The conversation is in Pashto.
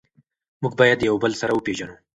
موږ باید یو بل سره وپیژنو.